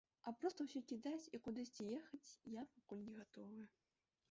А проста ўсё кідаць і кудысьці ехаць я пакуль не гатовы.